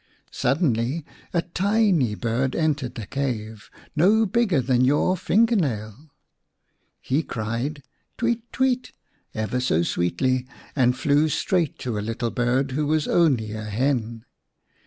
Suddenly a tiny bird entered the cave, no bigger than your finger nail. He cried " Tweet, Tweet," ever so sweetly, and flew straight to a 30 in Who Lived in a Cave little bird who was only a hen.